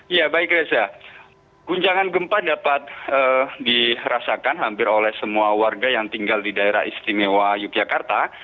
ya baik reza guncangan gempa dapat dirasakan hampir oleh semua warga yang tinggal di daerah istimewa yogyakarta